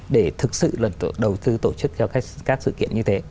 để thực sự đầu tư tổ chức cho các sự kiện như thế